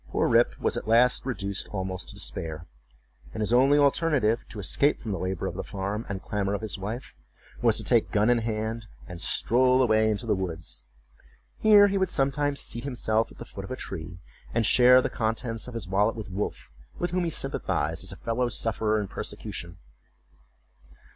Poor Rip was at last reduced almost to despair; and his only alternative, to escape from the labor of the farm and clamor of his wife, was to take gun in hand and stroll away into the woods. Here he would sometimes seat himself at the foot of a tree, and share the contents of his wallet with Wolf, with whom he sympathized as a fellow sufferer in persecution.